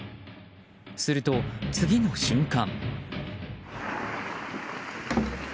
すると、次の瞬間。